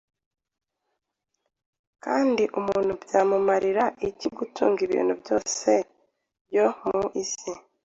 Kandi umuntu byamumarira iki gutunga ibintu byose byo mu isi,